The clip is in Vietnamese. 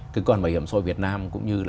cơ quan bảo hiểm xã hội việt nam cũng như là